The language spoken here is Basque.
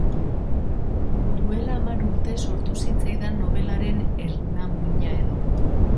Duela hamar bat urte sortu zitzaidan nobelaren ernamuina-edo.